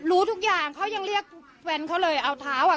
รู้ทุกอย่างเขายังเรียกแฟนเขาเลยเอาเท้าอ่ะ